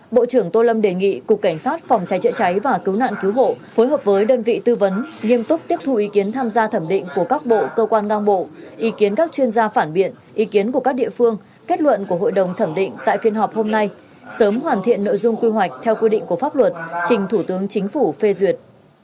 bộ trưởng tô lâm đề nghị cục cảnh sát phòng cháy chữa cháy và cứu nạn cứu hộ phối hợp với đơn vị tư vấn nghiêm túc tiếp thu ý kiến tham gia thẩm định của các bộ cơ quan ngang bộ ý kiến các chuyên gia phản biện ý kiến của các địa phương kết luận của hội đồng thẩm định tại phiên họp hôm nay sớm hoàn thiện nội dung quy hoạch theo quy định của pháp luật trình thủ tướng chính phủ phê duyệt